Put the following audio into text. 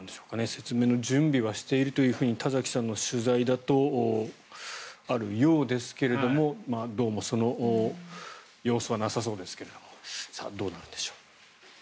説明の準備はしていると田崎さんの取材だとあるようですがどうもその様子はなさそうですがどうなんでしょう。